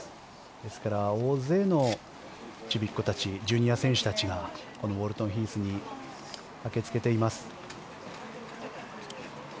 ですから大勢のちびっこたちジュニア選手たちがこのウォルトンヒースに駆けつけています。